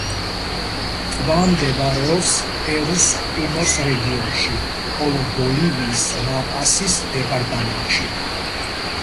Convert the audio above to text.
ტბა მდებარეობს პერუს პუნოს რეგიონში, ხოლო ბოლივიის ლა-პასის დეპარტამენტში.